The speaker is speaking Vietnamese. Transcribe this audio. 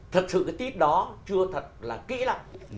thực sự cái tít đó chưa thật là kỹ lắm